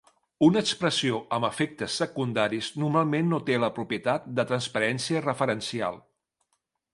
Una expressió amb efectes secundaris normalment no té la propietat de transparència referencial.